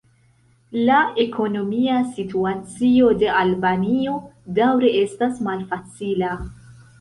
La ekonomia situacio de Albanio daŭre estas malfacila.